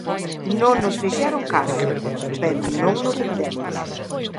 Non nos fixeron caso, pero non nos rendemos.